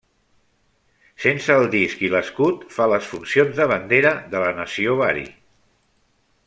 Sense el disc i l'escut fa les funcions de bandera de la nació bari.